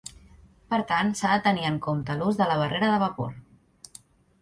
Per tant, s'ha de tenir en compte l'ús de la barrera de vapor.